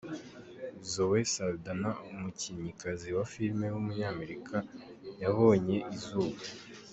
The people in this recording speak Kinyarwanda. Zoe Saldana, umukinnyikazi wa filime w’umunyamerika yabonye izuba.